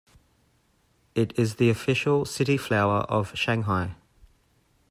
It is the official city flower of Shanghai.